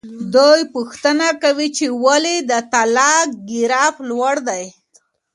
دوی پوښتنه کوي چې ولې د طلاق ګراف لوړ دی.